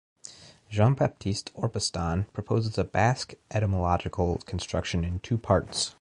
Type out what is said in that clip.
Jean-Baptiste Orpustan proposes a Basque etymological construction in two parts.